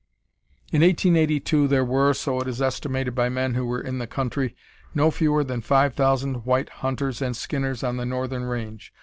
In 1882 there were, so it is estimated by men who were in the country, no fewer than five thousand white hunters and skinners on the northern range.